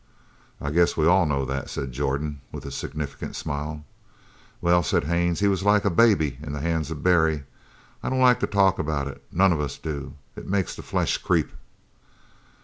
"I guess we all know that," said Jordan, with a significant smile. "Well," said Haines, "he was like a baby in the hands of Barry. I don't like to talk about it none of us do. It makes the flesh creep."